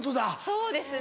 そうですね。